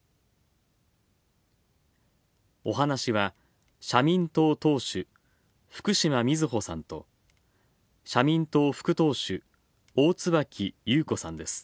お話しは、社民党党首福島みずほさんと、社民党副党首大椿ゆうこさんです。